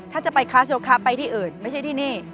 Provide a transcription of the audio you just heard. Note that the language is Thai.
ถ้าจะไปคลาสโยคะไปที่อื่นไม่ใช่ที่นี่